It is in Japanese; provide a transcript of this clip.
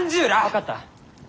分かった。